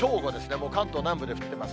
もう関東南部で降ってます。